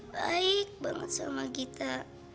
baik banget sama gita